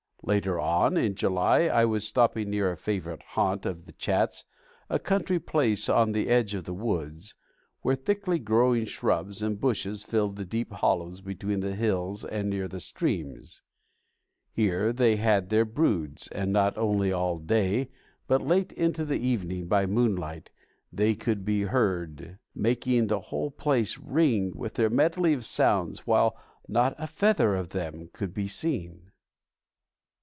Later on, in July, I was stopping near a favorite haunt of the Chats; a country place on the edge of the woods, where thickly growing shrubs and bushes filled the deep hollows between the hills and near the streams. Here they had their broods, and not only all day, but late in the evening by moonlight they could be heard, making the whole place ring with their medley of sounds, while not a feather of them could be seen.